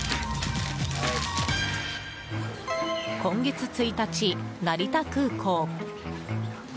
今月１日、成田空港。